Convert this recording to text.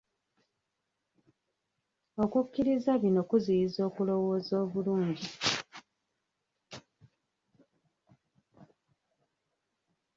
Okukkiriza bino kuziyiza okulowooza obulungi.